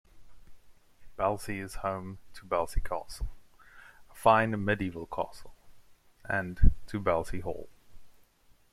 Belsay is home to Belsay Castle, a fine medieval castle, and to Belsay Hall.